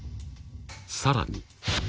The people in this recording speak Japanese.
更に。